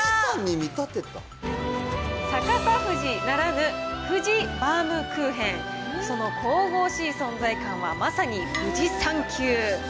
逆さ富士ならぬ富士バウムクーヘン、その神々しい存在感は、まさに富士山級。